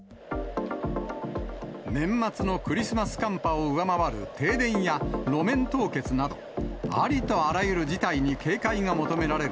年末のクリスマス寒波を上回る停電や路面凍結など、ありとあらゆる事態に警戒が求められる